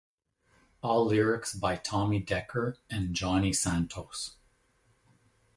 All lyrics by Tommy Decker and Jonny Santos.